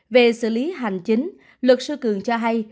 về xử lý hành chính luật sư cường cho hay